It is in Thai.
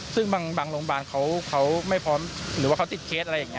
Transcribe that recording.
ซึ่งบางโรงพยาบาลเขาไม่พร้อมหรือว่าเขาติดเคสอะไรอย่างนี้